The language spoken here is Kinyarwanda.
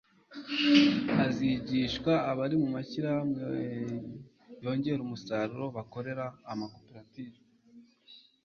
hazigishwa abari mu mashyirahamwe yongera umusaruro bakorere mu makoperative